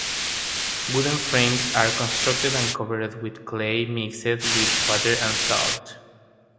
Wooden frames are constructed and covered with clay, mixed with water and salt.